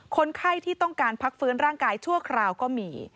คนไข้ที่ต้องการพักฟื้นร่างกายชั่วคราวก็มี